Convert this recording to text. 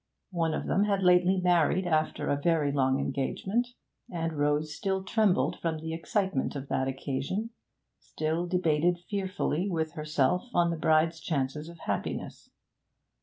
One of them had lately married after a very long engagement, and Rose still trembled from the excitement of that occasion, still debated fearfully with herself on the bride's chances of happiness.